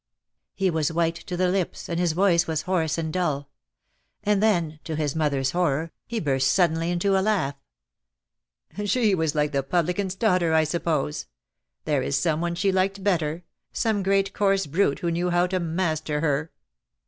He was white to the lips, and his voice was hoarse and dull. And then, to his mother's horror, he burst suddenly into a laugh. "She was like the publican's daughter, I suppose. There is someone she liked better — some great coarse brute who knew how to master her."